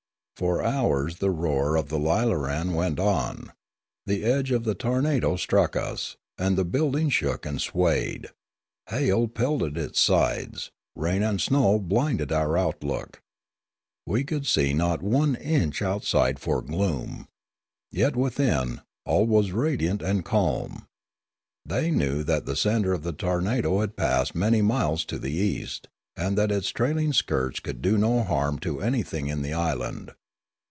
For hours the roarof the lilaran went on. The edge of the tornado struck us, and the building shook and swayed. Hail pelted its sides; rain and snow blinded our outlook; we could see not one inch outside for the gloom. Yet within, all was radiant and calm. They knew that the centre of the tornado had passed many miles to the east, and that its trailing skirts could do no harm to anything in the island.